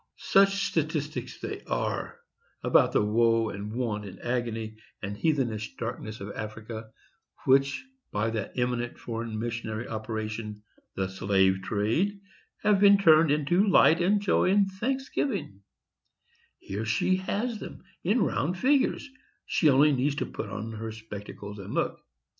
Such statistics they are, about the woe, and want, and agony, and heathenish darkness of Africa, which, by that eminent foreign missionary operation, the slave trade, have been turned into light and joy and thanksgiving; here she has them, in round figures; she only needs to put on her spectacles and look.